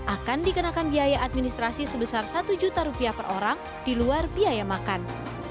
akan dikenakan biaya administrasi sebesar satu juta rupiah per orang di luar biaya makan